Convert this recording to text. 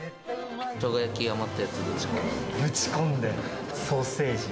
しょうが焼き、余ったやつを。